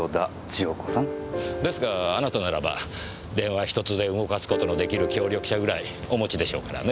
ですがあなたならば電話１つで動かす事の出来る協力者ぐらいお持ちでしょうからね。